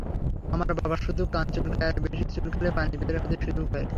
আমার বাবার শুধু কান চুলকায় আর বেশি চুলকালে পানি বের হতে শুরু করে।